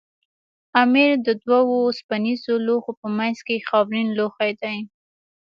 امیر د دوو اوسپنیزو لوښو په منځ کې خاورین لوښی دی.